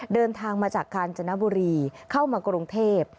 เดินทางมาจากกาญจนบุรีเข้ามากรุงเทพ